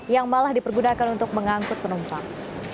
yang malah dipergunakan untuk mengangkut penumpang